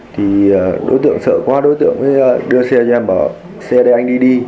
thì đối tượng sợ quá đối tượng đưa xe cho em bảo xe đây anh đi đi